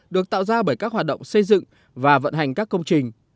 được tạo ra bởi các hoạt động xây dựng và vận hành các công trình